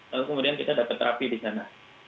lalu kemudian kita dapat terapi di sana